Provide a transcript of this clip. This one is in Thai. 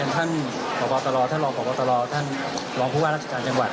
ท่านบอกบอกตลอดท่านรองบอกบอกตลอดท่านรองผู้ว่ารักษการจังหวัด